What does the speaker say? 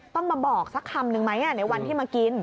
ต้องมาบอกสักคำนึงไหมในวันที่มากิน